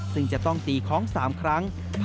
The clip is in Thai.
ซึ่งจะต้องตีคล้อง๓ครั้ง